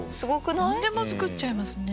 なんでも作っちゃいますね。